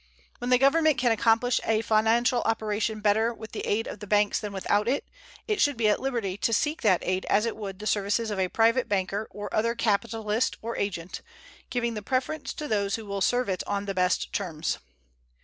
When the Government can accomplish a financial operation better with the aid of the banks than without it, it should be at liberty to seek that aid as it would the services of a private banker or other capitalist or agent, giving the preference to those who will serve it on the best terms.